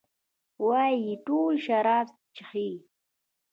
وايي ټول شراب چښي.